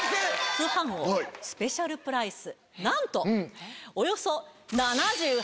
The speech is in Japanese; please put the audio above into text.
『通販王』スペシャルプライス！